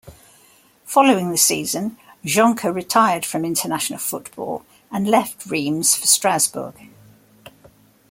Following the season, Jonquet retired from international football and left Reims for Strasbourg.